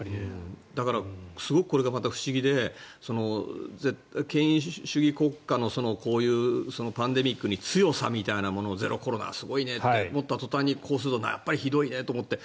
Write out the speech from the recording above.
だからすごくこれがまた不思議で権威主義国家のこういうパンデミックに強さみたいなものをゼロコロナはすごいねって思った途端にこうするのはひどいねって。